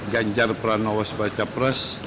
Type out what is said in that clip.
ganjar pranowo sebagai capres